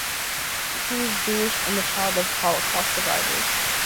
She is Jewish and the child of Holocaust survivors.